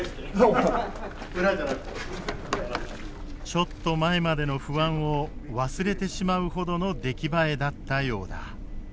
ちょっと前までの不安を忘れてしまうほどの出来栄えだったようだ。